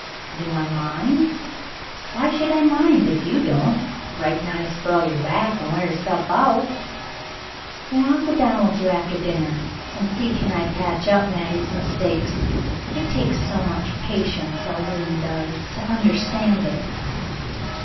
"Do I mind .^ AMiy should I mind, if you don't 'right nigh' spoil your back and wear yourself out ?" "Then I'll go down with you after dinner and see can I patch up Mattie's mistakes. It takes so much patience — a loom does, to understand it."